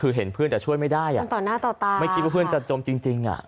คือเห็นเพื่อนแต่ช่วยไม่ได้ไม่คิดว่าเพื่อนจับจมจริง